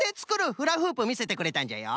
フラフープみせてくれたんじゃよ。